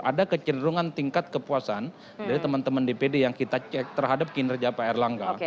ada kecerungan tingkat kepuasan dari teman teman dpd yang kita cek terhadap kinerja pak erlangga